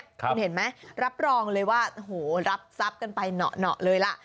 คุณเห็นไหมรับรองเลยว่ารับทรัพย์กันไปเหนาะเลยล่ะ